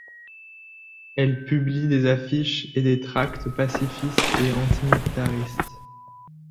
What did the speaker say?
Elle publie des affiches et des tracts pacifistes et antimilitaristes.